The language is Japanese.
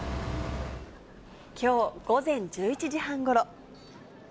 きょう午前１１時半ごろ。